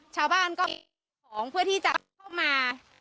ชาวบ้านก็ของเพื่อที่จะเข้ามา